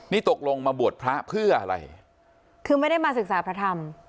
นี่ตกลงมาบวชพระเพื่ออะไรคือไม่ได้มาศึกษาพระธรรม